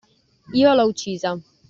Io l'ho uccisa.